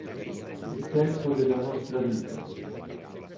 Il tempo della nostra vita